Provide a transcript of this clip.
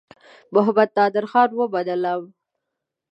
محمدنادرخان ومنلم.